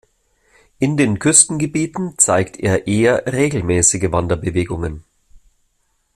In den Küstengebieten zeigt er eher regelmäßige Wanderbewegungen.